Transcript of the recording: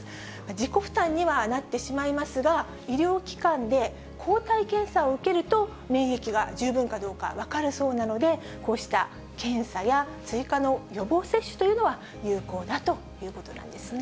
自己負担にはなってしまいますが、医療機関で抗体検査を受けると、免疫が十分かどうか、分かるそうなので、こうした検査や追加の予防接種というのは、有効だということなんですね。